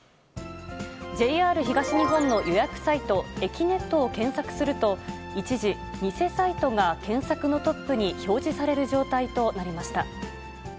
ＪＲ東日本の予約サイト、えきねっとを検索すると、一時、偽サイトが検索のトップに表示される状態となりました。